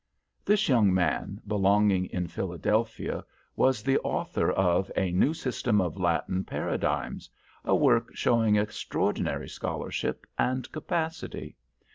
This young man, belonging in Philadelphia, was the author of a "New System of Latin Paradigms," a work showing extraordinary scholarship and capacity.